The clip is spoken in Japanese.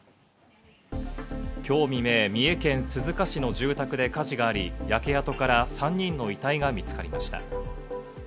今日未明、三重県鈴鹿市の住宅で火事があり、焼け跡から３人の遺体が見つかりました。